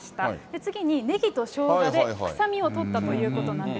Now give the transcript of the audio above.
次に、ねぎとしょうがで臭みを取ったということなんです。